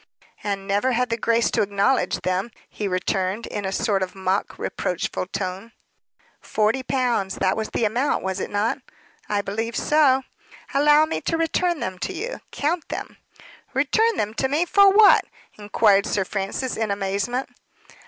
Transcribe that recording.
"And never had the grace to acknowledge them," he returned, in a sort of mock reproachful tone. "Forty pounds. That was the amount, was it not?" "I believe so." "Allow me to return them to you. Count them." "Return them to me for what?" inquired Sir Francis, in amazement.